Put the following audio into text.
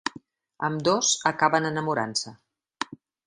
Ambdós acaben enamorant-se.